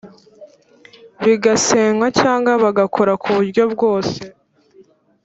bigasenywa cyangwa bagakora ku buryo bwose